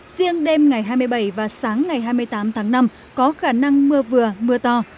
riêng đêm ngày hai mươi bảy và sáng ngày hai mươi tám tháng năm có khả năng mưa vừa mưa to